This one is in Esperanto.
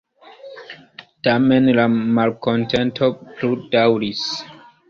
Tamen la malkontento plu-daŭris.